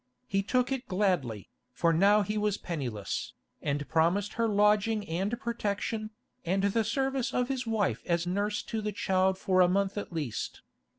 He took it gladly, for now he was penniless, and promised her lodging and protection, and the service of his wife as nurse to the child for a month at least.